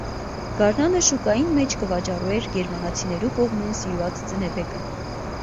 Գարնանը շուկային մէջ կը վաճառուէր գերմանացիներու կողմէն սիրուած ձնեբեկը։